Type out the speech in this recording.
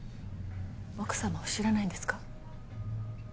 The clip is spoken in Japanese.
奥さまは知らないんですか？